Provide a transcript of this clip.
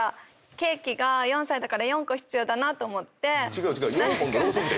違う違う。